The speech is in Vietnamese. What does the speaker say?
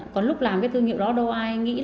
còn lúc làm cái thương hiệu đó đâu ai nghĩ